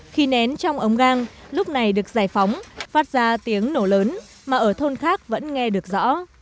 khi nén trong ống gan lúc này được giải phóng phát ra tiếng nổ lớn mà ở thôn khác vẫn nghe được rõ